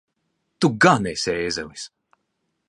Tu gan esi ēzelis!